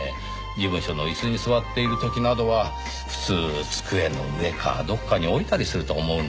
事務所の椅子に座っている時などは普通机の上かどこかに置いたりすると思うのですがねぇ。